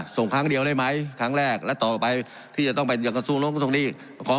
ส่งครั้งเดียวได้ไหมครั้งแรกและต่อไปที่จะต้องไปเดี่ยวกับสู่ของเดียวก็ต้องส่งนี่